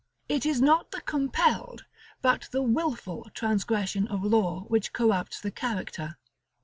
It is not the compelled, but the wilful, transgression of law which corrupts the character.